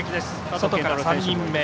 外から３人目。